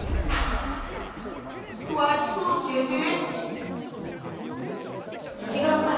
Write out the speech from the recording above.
くわしく教えて。